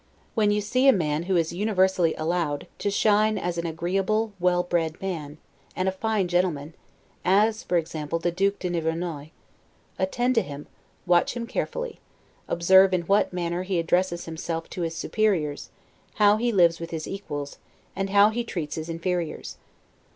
When you see a man who is universally allowed to shine as an agreeable, well bred man, and a fine gentleman (as, for example, the Duke de Nivernois), attend to him, watch him carefully; observe in what manner he addresses himself to his superiors, how he lives with his equals, and how he treats his inferiors.